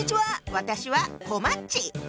私はこまっち。